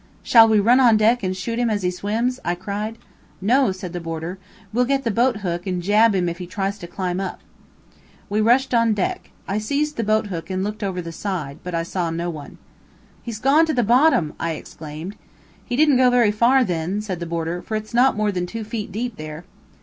"Shall we run on deck and shoot him as he swims?" I cried. "No," said the boarder, "we'll get the boat hook, and jab him if he tries to climb up." We rushed on deck. I seized the boat hook and looked over the side. But I saw no one. "He's gone to the bottom!" I exclaimed. "He didn't go very far then," said the boarder, "for it's not more than two feet deep there."